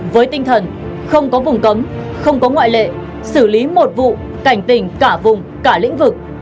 với tinh thần không có vùng cấm không có ngoại lệ xử lý một vụ cảnh tình cả vùng cả lĩnh vực